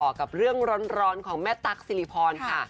กับเรื่องร้อนของแม่ตั๊กสิริพรค่ะ